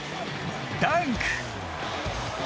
ダンク！